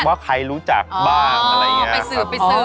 ว่าใครรู้จักบ้างอะไรอย่างนี้